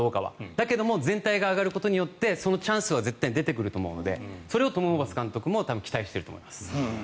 だけども全体が上がることによってそのチャンスは絶対に出てくると思うのでそれをトム・ホーバス監督も期待していると思います。